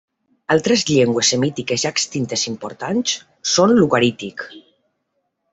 Altres llengües semítiques ja extintes importants són l'ugarític.